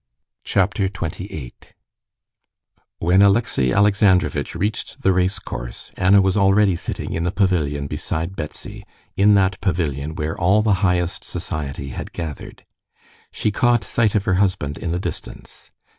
Chapter 28 When Alexey Alexandrovitch reached the race course, Anna was already sitting in the pavilion beside Betsy, in that pavilion where all the highest society had gathered. She caught sight of her husband in the distance.